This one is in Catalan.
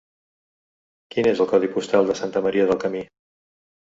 Quin és el codi postal de Santa Maria del Camí?